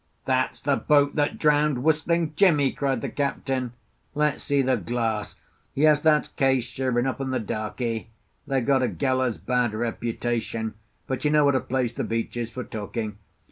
"That's the boat that drowned Whistling Jimmie!" cried the Captain; "let's see the glass. Yes, that's Case, sure enough, and the darkie. They've got a gallows bad reputation, but you know what a place the beach is for talking.